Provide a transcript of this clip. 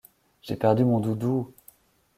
J'ai perdu mon doudou !